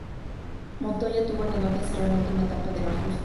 Montoya tuvo el honor de cerrar la última etapa de la justa.